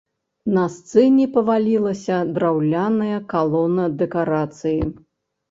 На сцэне павалілася драўляная калона дэкарацыі.